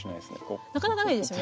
なかなかないですよね。